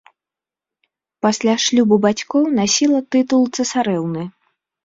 Пасля шлюбу бацькоў насіла тытул цэсарэўны.